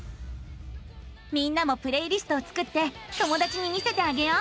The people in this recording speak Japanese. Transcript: みんなもプレイリストを作って友だちに見せてあげよう。